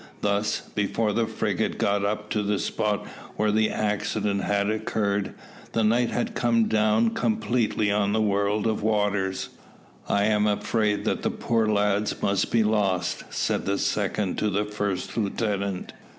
Thus, before the frigate got up to the spot where the accident had occurred, the night had come down completely on the world of waters. "I am afraid that the poor lads must be lost," said the second to the first lieutenant.